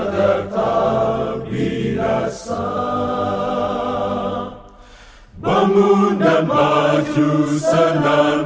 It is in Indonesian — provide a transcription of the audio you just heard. tetapi jalan yang benar